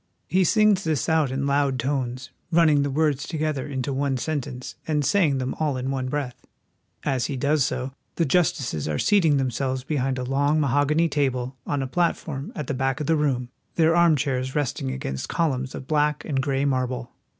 He sings this out in loud tones, running the words to gether into one sentence, and saying them all in one breath. As he does so the justices are seating themselves be hind a long mahogany table on a platform at the back of the room, their armchairs resting against columns of black and gray marble.